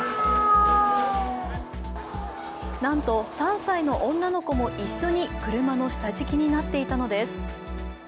なんと３歳の女の子も一緒に車の下敷きになっていたのです。